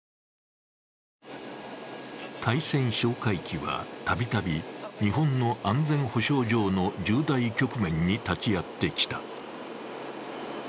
対潜哨戒機はたびたび日本の安全保障上の重大局面に立ち会ってきた。